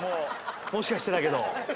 もしかしてだけど。